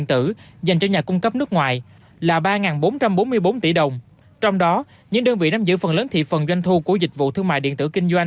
những đơn vị nắm giữ phần lớn thị phần doanh thu của dịch vụ thương mại điện tử kinh doanh